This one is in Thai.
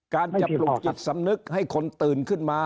การจะปลุกจิตสำนึกให้คนตื่นขึ้นมา